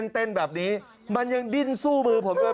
เต้นแบบนี้มันยังดิ้นสู้มือผมด้วย